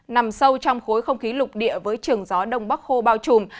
nằm sâu trong khối không khí lục địa với trường gió đông bắc khô bao trùm